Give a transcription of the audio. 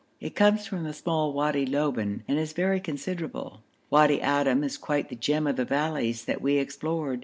It comes from the small Wadi Loban and is very considerable. Wadi Adim is quite the gem of the valleys that we explored.